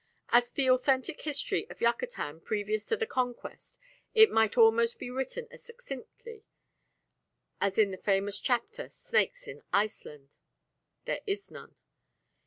Of the authentic history of Yucatan previous to the Conquest it might almost be written as succinctly as in the famous chapter "Snakes in Iceland": there is none.